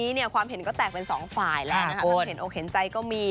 วันนี้เนี่ยความเห็นก็แตกเป็นสองฝ่ายแล้วนะคะทั้งเห็นอกเห็นใจก็มี